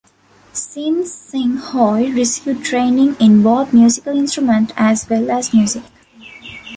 Sinn Sing Hoi received training in both musical instruments as well as music.